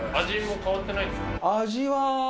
味は？